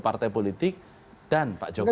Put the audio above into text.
partai politik dan pak jokowi